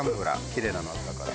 キレイなのあったから。